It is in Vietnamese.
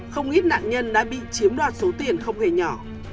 không ít nạn nhân đã bị chiếm đoạt số tiền không hề nhỏ